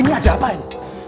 ini ada apaan